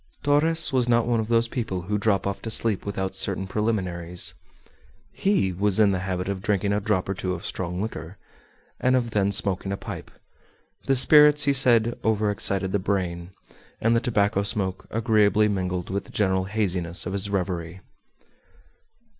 Torres was not one of those people who drop off to sleep without certain preliminaries. He was in the habit of drinking a drop or two of strong liquor, and of then smoking a pipe; the spirits, he said, overexcited the brain, and the tobacco smoke agreeably mingled with the general haziness of his reverie.